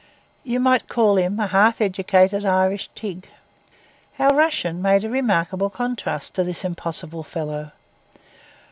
You might call him a half educated Irish Tigg. Our Russian made a remarkable contrast to this impossible fellow.